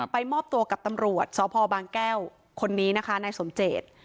มอบตัวกับตำรวจสพบางแก้วคนนี้นะคะนายสมเจต